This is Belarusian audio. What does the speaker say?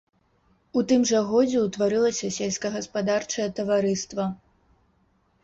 У тым жа годзе ўтварылася сельскагаспадарчае таварыства.